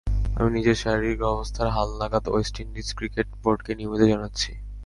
আমি নিজের শারীরিক অবস্থার হালনাগাদ ওয়েস্ট ইন্ডিজ ক্রিকেট বোর্ডকে নিয়মিত জানাচ্ছি।